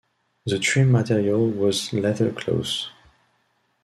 The trim material was leathercloth.